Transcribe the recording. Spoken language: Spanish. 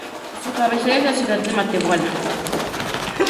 Su cabecera es la ciudad de Matehuala.